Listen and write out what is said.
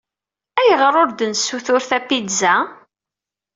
Ayɣer ur d-nessutur tapizza?